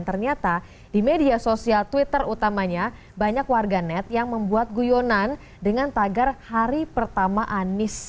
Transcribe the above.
ternyata di media sosial twitter utamanya banyak warganet yang membuat guyonan dengan tagar hari pertama anies